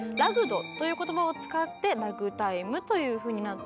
「Ｒａｇｇｅｄ」という言葉を使って「ラグタイム」というふうになったという説が。